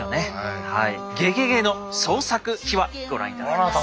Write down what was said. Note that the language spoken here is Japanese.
「ゲゲゲ」の創作秘話ご覧頂きます。